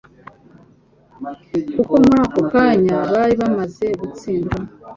Kuko muri ako kanya bari bamaze gutsindwa,